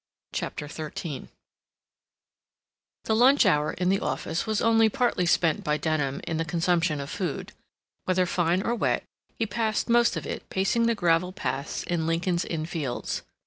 CHAPTER XIII The lunch hour in the office was only partly spent by Denham in the consumption of food. Whether fine or wet, he passed most of it pacing the gravel paths in Lincoln's Inn Fields.